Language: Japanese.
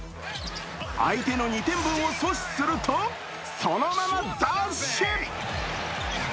相手の２点分を阻止すると、そのままダッシュ。